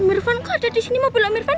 om irfan kok ada disini mobil om irfan